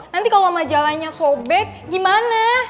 nanti kalo majalahnya sobek gimana